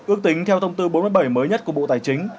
ước tính theo thông tư bốn mươi bảy mới nhất của bộ tài chính